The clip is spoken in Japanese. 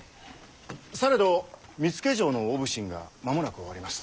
されど見附城の大普請が間もなく終わります。